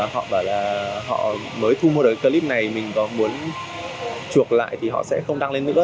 họ bảo là họ mới thu mua được clip này mình có muốn chuộc lại thì họ sẽ không đăng lên nữa